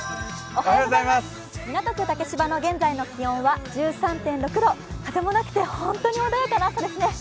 港区竹芝の現在の気温は１３．６度風もなくて本当に穏やかな朝ですね。